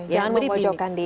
jangan membojokkan dia